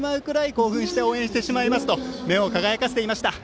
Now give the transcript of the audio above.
興奮して応援していますと目を輝かせていました。